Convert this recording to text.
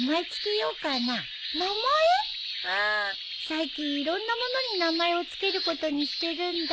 最近いろんなものに名前を付けることにしてるんだ。